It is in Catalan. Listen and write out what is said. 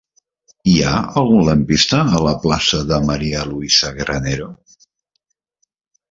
Hi ha algun lampista a la plaça de María Luisa Granero?